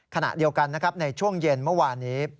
ขณะเดียวกันในช่วงเย็นเมื่อวานี้